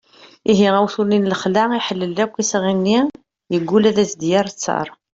ihi awtul-nni n lexla iḥellel akk isɣi-nni yeggul ad as-d-yerr ttar